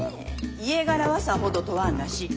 家柄はさほど問わんらしい。